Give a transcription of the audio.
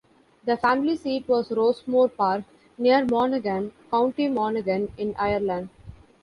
The family seat was Rossmore Park, near Monaghan, County Monaghan, in Ireland.